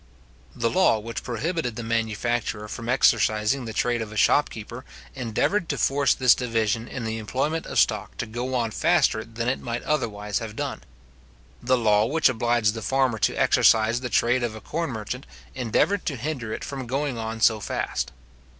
The law which prohibited the manufacturer from exercising the trade of a shopkeeper, endeavoured to force this division in the employment of stock to go on faster than it might otherwise have done. The law which obliged the farmer to exercise the trade of a corn merchant, endeavoured to hinder it from going on so fast.